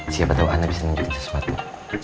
siapa tau ana bisa nunjukin sesuatu